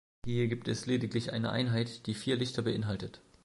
Hier gibt es lediglich eine Einheit, die vier Lichter beinhaltet.